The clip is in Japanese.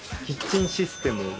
キッチンシステム。